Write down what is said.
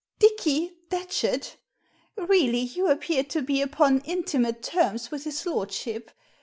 "'Dicky Datchet M Really, you appear to be upon intimate terms with his lordship.